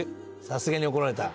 「さすがに怒られた？」